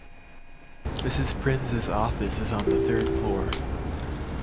Mrs Prinz's office is on the third floor.